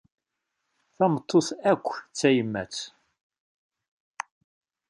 Tameṭṭut akk d tayemmat.